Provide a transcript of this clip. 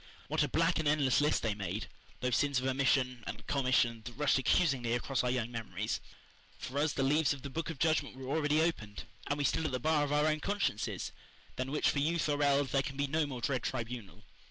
What a black and endless list they made those sins of omission and commission that rushed accusingly across our young memories! For us the leaves of the Book of Judgment were already opened; and we stood at the bar of our own consciences, than which for youth or eld, there can be no more dread tribunal.